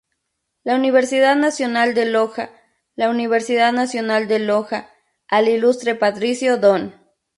La Universidad Nacional de Loja “La Universidad Nacional de Loja, al ilustre patricio Don.